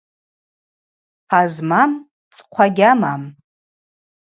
Хъа змам цӏхъва гьамам.